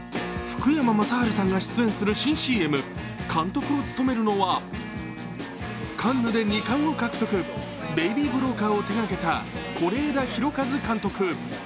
福山雅治さんが出演する新ＣＭ、監督を務めるのは、カンヌで２冠を獲得、「ベイビー・ブローカー」を手がけた是枝裕和監督。